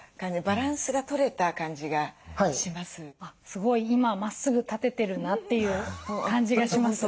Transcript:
すごい今まっすぐ立ててるなっていう感じがします。